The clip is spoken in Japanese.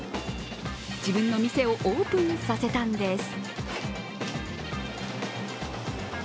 自分の店をオープンさせたんです。